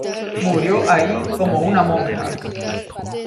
Murió ahí como una monja.